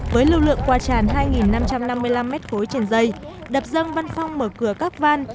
với lưu lượng qua tràn hai năm trăm năm mươi năm m ba trên dây đập dâng văn phong mở cửa các van